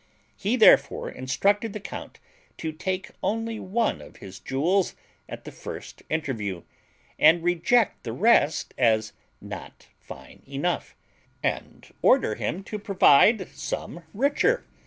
He therefore instructed the count to take only one of his jewels at the first interview, and reject the rest as not fine enough, and order him to provide some richer.